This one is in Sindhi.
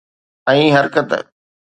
۽ حرڪت